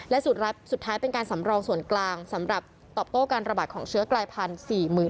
และสุดท้ายเป็นการสำรองส่วนกลางสำหรับตอบโต้การระบาดของเชื้อกลายพันธุ์